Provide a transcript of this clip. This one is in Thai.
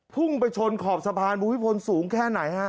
พุ่งไปชนขอบสะพานภูมิพลสูงแค่ไหนฮะ